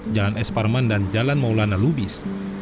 jalan s parman dan jalan maulana lubis